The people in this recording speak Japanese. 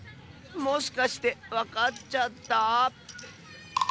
もしかしてわかっちゃった？